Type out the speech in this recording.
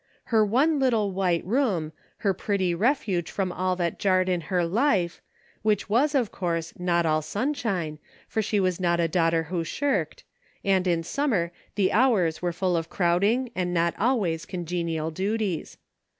Her one little white room, her pretty refuge from all that jarred in her life, which was, of course, not all sunshine, for she was not a daughter who 2/8 A " PROVIDENCE." shirked, and, in summer, the hours were full of crowding and not always congenial duties.